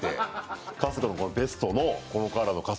春日のベストのこのカラーの。